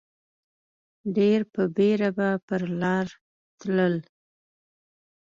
ډېر په بېړه به پر لار تلل.